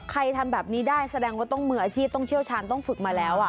ทำแบบนี้ได้แสดงว่าต้องมืออาชีพต้องเชี่ยวชาญต้องฝึกมาแล้ว